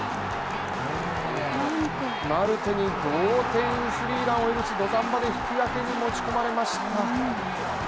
マルテに同点スリーランを許し土壇場で引き分けに持ち込まれました。